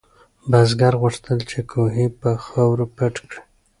بزګر غوښتل چې کوهی په خاورو پټ کړي.